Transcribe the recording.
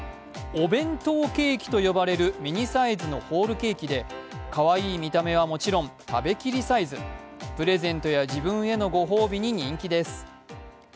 お弁当ケーキと呼ばれるミニサイズのホールケーキで、かわいい見た目はもちろん、食べ切りサイズ、プレゼントや自分へのご褒美に人気です。